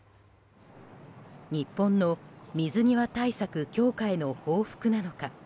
日本の水際対策強化への報復なのか。